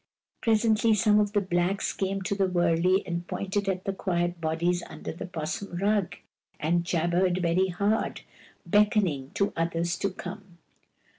Presently some of the blacks came to the wur ley and pointed at the quiet bodies under the 'pos sum rug, and jabbered very hard, beckoning to others to come.